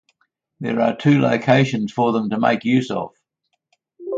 There are two locations for them to make use of.